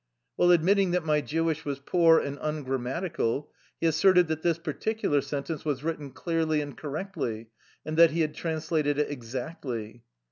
While admitting that my Jewish was poor and ungrammatical, he asserted that this particular sentence was written clearly and cor rectly, and that he had translated it exactly.